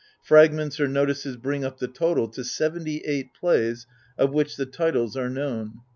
Fragments or notices bring up the total to seventy eight plays of which the titles are known.